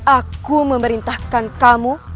aku memerintahkan kamu